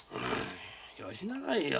よしなさいよ